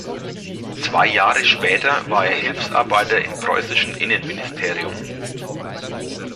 Zwei Jahre später war er Hilfsarbeiter im preußischen Innenministerium.